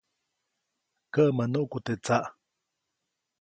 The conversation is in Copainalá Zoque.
Käʼmäʼ nuʼku teʼ tsaʼ.